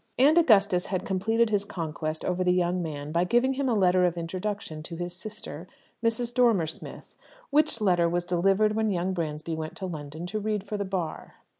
And Augustus had completed his conquest over the young man by giving him a letter of introduction to his sister, Mrs. Dormer Smith, which letter was delivered when young Bransby went to London to read for the Bar.